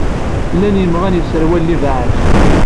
Llan yimɣan yesserwalen ibɛac.